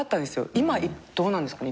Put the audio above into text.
今どうなんですかね。